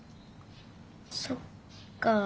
そっか。